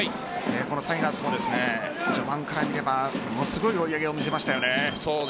このタイガースも序盤から見ればものすごい追い上げを見せましたね。